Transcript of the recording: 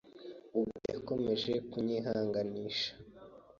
Ubwo yakomeje kunyihanganisha